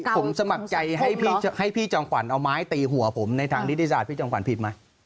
ผมสมัครใจให้พี่จอมขวัญเอาไม้ตีหัวผมในทางนิติศาสตร์พี่จอมขวัญผิดไหม